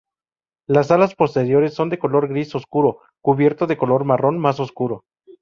Las alas posteriores son de color gris oscuro, cubierto de color marrón más oscuro.